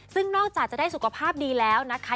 ซึ่งนอกจากจะได้สุขภาพดีแล้วนะคะ